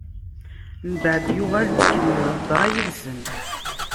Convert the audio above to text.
Mbeɛd yuɣal-d ikemmel lhedṛa yid-sen.